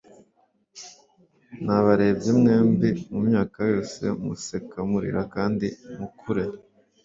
Nabarebye mwembi mumyaka yose museka murira kandi mukure